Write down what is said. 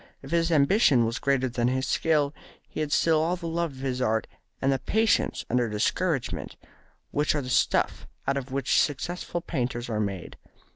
If his ambition was greater than his skill, he had still all the love of his art and the patience under discouragement which are the stuff out of which successful painters are made.